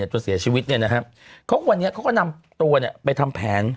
จนเสียชีวิตนะครับวันนี้เขาก็นำตัวไปทำแผน